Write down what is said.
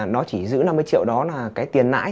nó chỉ giữ năm mươi triệu đó là cái tiền nãi